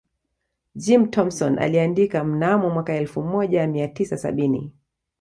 Jim thompson aliandika mnamo mwaka elfu moja mia tisa sabini